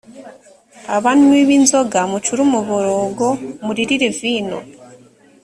abanywi b’inzoga mucure umuborogo muririre vino